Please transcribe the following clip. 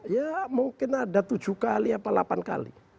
ya mungkin ada tujuh kali apa delapan kali